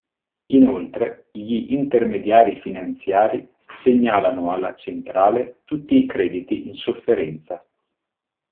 Inoltre, gli intermediari finanziari segnalano alla Centrale tutti i crediti in sofferenza.